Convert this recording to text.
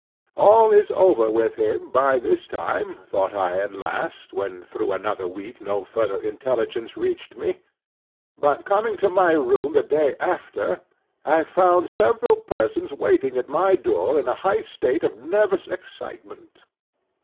All is over with him, by this time, thought I at last, when through another week no further intelligence reached me. But coming to my room the day after, I found several persons waiting at my door in a high state of nervous excitement.